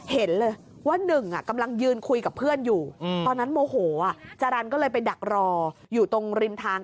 เห็นเลยว่าหนึ่งกำลังยืนคุยกับเพื่อนอยู่ตอนนั้นโมโหจารันก็เลยไปดักรออยู่ตรงริมทาง